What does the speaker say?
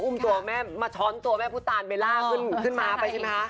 มาท้อนตัวแม่พุทธตาลเบร่าขึ้นม้าไปใช่ไหมคะ